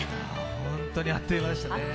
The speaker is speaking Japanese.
本当にあっという間でしたね。